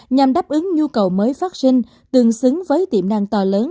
nhằm đáp ứng nhu cầu mới phát sinh tương xứng với tiềm năng to lớn